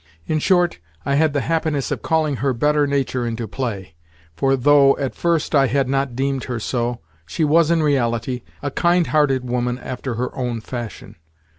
In short, I had the happiness of calling her better nature into play; for though, at first, I had not deemed her so, she was, in reality, a kind hearted woman after her own fashion.